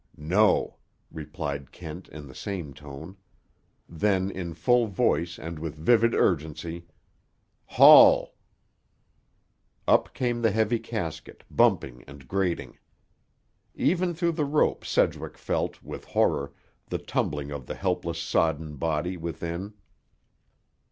"No," replied Kent in the same tone. Then, in full voice, and with vivid urgency, "Haul!" Up came the heavy casket, bumping and grating. Even through the rope Sedgwick felt, with horror, the tumbling of the helpless sodden body within.